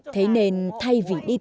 thế nên thay vì đi tìm những người hát dạm